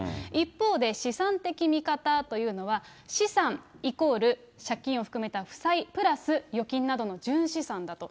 一方で資産的見方というのは、資産イコール借金を含めた負債プラス預金などの純資産だと。